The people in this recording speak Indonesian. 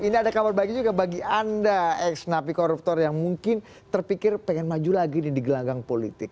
ini ada kabar baik juga bagi anda ex napi koruptor yang mungkin terpikir pengen maju lagi nih di gelanggang politik